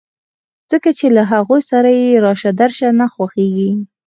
ځکه چې له هغوی سره يې راشه درشه نه خوښېږي.